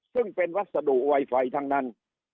ซึ่งเป็นวัสดุไวไฟทั้งนั้น